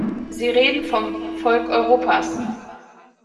Sie reden vom Volk Europas.